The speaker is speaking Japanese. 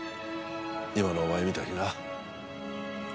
今のお前みたいにな。